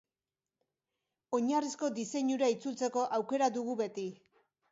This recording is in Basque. Oinarrizko diseinura itzultzeko aukera dugu beti.